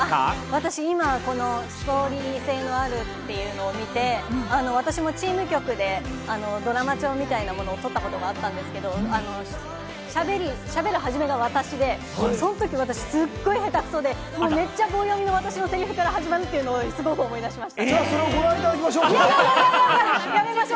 私、今このストーリー性のあるというのを見て、私もチーム曲で、ドラマ調みたいなものを撮ったことがあったんですけれども、喋る始めが私で、そのとき私すごい下手くそで、めっちゃ棒読みの私のセリフから始まるというのをすごく思い出しました。